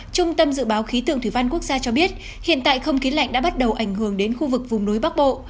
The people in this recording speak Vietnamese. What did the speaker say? trung tâm dự báo khí tượng thủy văn quốc gia cho biết hiện tại không khí lạnh đã bắt đầu ảnh hưởng đến khu vực vùng núi bắc bộ